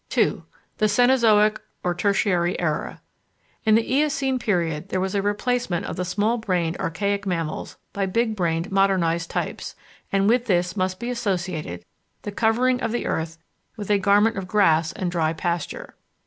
§ 2 The Cenozoic or Tertiary Era In the Eocene period there was a replacement of the small brained archaic mammals by big brained modernised types, and with this must be associated the covering of the earth with a garment of grass and dry pasture.